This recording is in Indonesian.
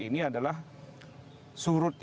ini adalah surut